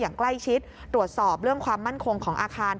อย่างใกล้ชิดตรวจสอบเรื่องความมั่นคงของอาคาร